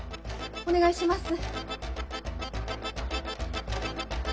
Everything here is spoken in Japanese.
お願いします。